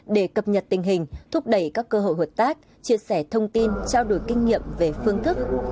để cập nhật tình hình thúc đẩy các cơ hội hợp tác chia sẻ thông tin trao đổi kinh nghiệm về phương thức